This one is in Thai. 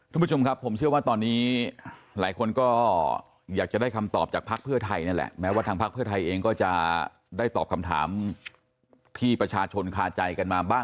ทุกผู้ชมครับผมเชื่อว่าตอนนี้หลายคนก็อยากจะได้คำตอบจากภักษ์เพื่อไทยนั่นแหละ